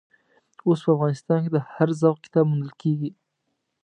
اوس په افغانستان کې د هر ذوق کتاب موندل کېږي.